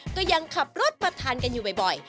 ก็ยังขับรถมาทานกันอยู่บ่อย